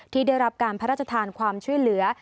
ที่ได้รับการพระราชทานความช่วยเหลือ